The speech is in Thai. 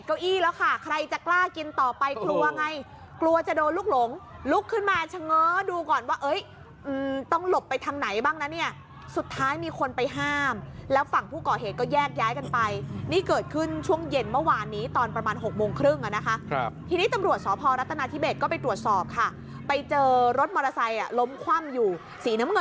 เก้าอี้แล้วค่ะใครจะกล้ากินต่อไปกลัวไงกลัวจะโดนลูกหลงลุกขึ้นมาชะง้อดูก่อนว่าเอ้ยต้องหลบไปทางไหนบ้างนะเนี่ยสุดท้ายมีคนไปห้ามแล้วฝั่งผู้ก่อเหตุก็แยกย้ายกันไปนี่เกิดขึ้นช่วงเย็นเมื่อวานนี้ตอนประมาณ๖โมงครึ่งอ่ะนะคะครับทีนี้ตำรวจสพรัฐนาธิเบสก็ไปตรวจสอบค่ะไปเจอรถมอเตอร์ไซค์ล้มคว่ำอยู่สีน้ำเงิน